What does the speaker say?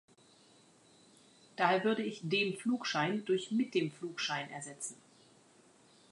Daher würde ich "dem Flugschein" durch "mit dem Flugschein" ersetzen.